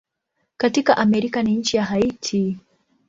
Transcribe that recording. Katika Amerika ni nchi ya Haiti.